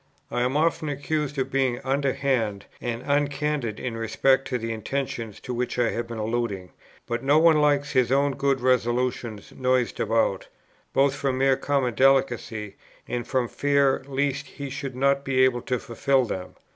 I am often accused of being underhand and uncandid in respect to the intentions to which I have been alluding: but no one likes his own good resolutions noised about, both from mere common delicacy and from fear lest he should not be able to fulfil them.